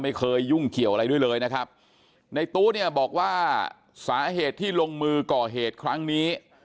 ไม่เคยยุ่งเกี่ยวอะไรด้วยเลยนะครับในตู้เนี่ยบอกว่าสาเหตุที่ลงมือก่อเหตุครั้งนี้